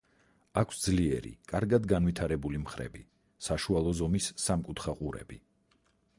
აქვს ძლიერი, კარგად განვითარებული მხრები, საშუალო ზომის, სამკუთხა ყურები.